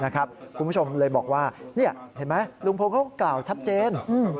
คุณผู้ชมเลยบอกว่านี่เห็นไหมลุงพลเขากล่าวชัดเจน